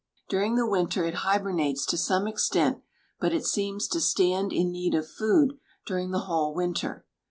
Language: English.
During the winter it hibernates to some extent, but it seems to stand in need of food during the whole winter.